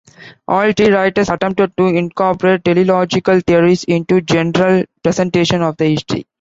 All three writers attempted to incorporate teleological theories into general presentations of the history.